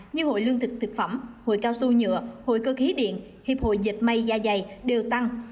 như hội lương thực thực phẩm hội cao su nhựa hội cơ khí điện hiệp hội dịch may da dày đều tăng